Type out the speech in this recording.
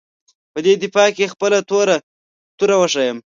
په دې دفاع کې خپله توره وښیيم.